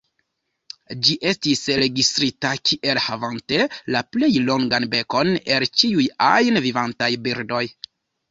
Ĝi estis registrita kiel havante la plej longan bekon el ĉiuj ajn vivantaj birdoj.